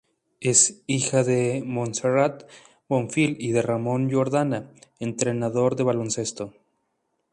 Es hija de Montserrat Bofill y de Ramón Jordana entrenador de baloncesto.